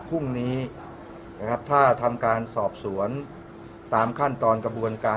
พรุ่งนี้นะครับถ้าทำการสอบสวนตามขั้นตอนกระบวนการ